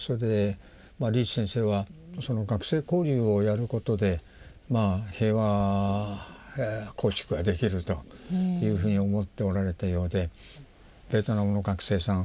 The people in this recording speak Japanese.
リーチ先生はその学生交流をやることで平和構築ができるというふうに思っておられたようでベトナムの学生さん